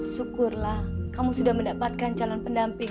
syukurlah kamu sudah mendapatkan calon pendamping